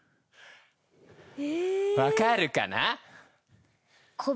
分かるかな？